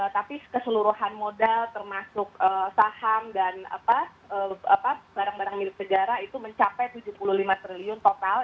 tapi keseluruhan modal termasuk saham dan barang barang milik sejarah itu mencapai tujuh puluh lima triliun total